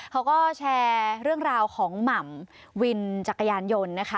เขาก็แชร์เรื่องราวของหม่ำวินจักรยานยนต์นะคะ